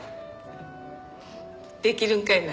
出来るんかいな？